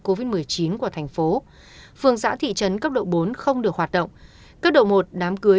covid một mươi chín của thành phố phường xã thị trấn cấp độ bốn không được hoạt động cấp độ một đám cưới